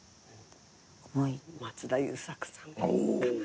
松田優作さんかな。